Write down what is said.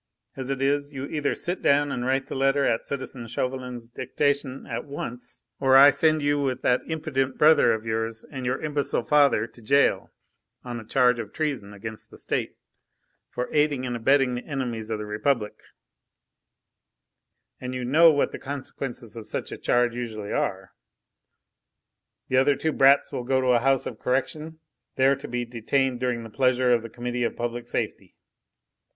As it is, you either sit down and write the letter at citizen Chauvelin's dictation at once, or I send you with that impudent brother of yours and your imbecile father to jail, on a charge of treason against the State, for aiding and abetting the enemies of the Republic; and you know what the consequences of such a charge usually are. The other two brats will go to a House of Correction, there to be detained during the pleasure of the Committee of Public Safety.